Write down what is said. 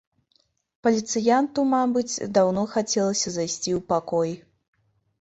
Паліцыянту, мабыць, даўно хацелася зайсці ў пакой.